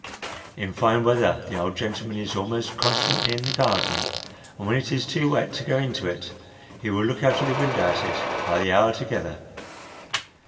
In fine weather the old gentleman is almost constantly in the garden ; and when it is too wet to go into it, he will look out of the window at it, by the hour together.